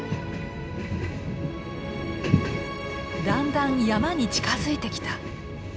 だんだん山に近づいてきた。